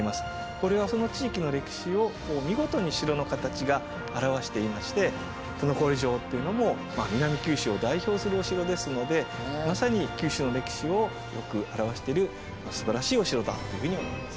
これはその地域の歴史を見事に城の形が表していまして都於郡城というのも南九州を代表するお城ですのでまさに九州の歴史をよく表しているすばらしいお城だというふうに思います。